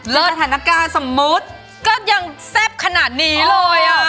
สถานการณ์สมมุติก็ยังแซ่บขนาดนี้เลยอ่ะ